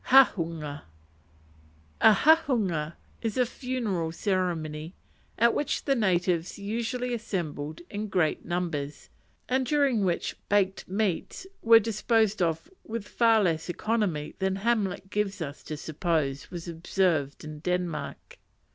Hahunga A hahunga was a funeral ceremony, at which the natives usually assembled in great numbers, and during which "baked meats" were disposed of with far less economy than Hamlet gives us to suppose was observed "in Denmark."